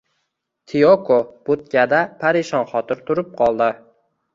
Tiyoko budkada parishonxotir turib qoldi